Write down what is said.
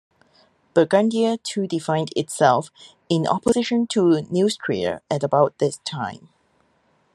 "Burgundia" too defined itself in opposition to Neustria at about this time.